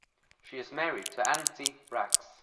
She is married to Antti Brax.